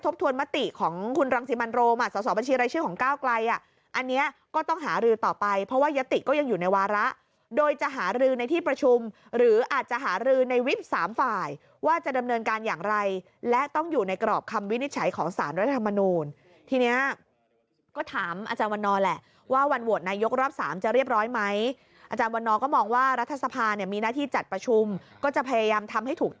พฤติก็ยังอยู่ในวาระโดยจะหารือในที่ประชุมหรืออาจจะหารือในวิบสามฝ่ายว่าจะดำเนินการอย่างไรและต้องอยู่ในกรอบคำวินิจฉัยของสารรัฐธรรมนูญทีนี้ก็ถามอาจารย์วันนอลแหละว่าวันโหวตนายกรอบ๓จะเรียบร้อยไหมอาจารย์วันนอลก็มองว่ารัฐสภาเนี่ยมีหน้าที่จัดประชุมก็จะพยายามทำให้ถูกต